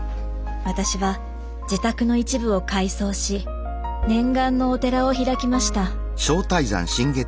私は自宅の一部を改装し念願のお寺を開きました。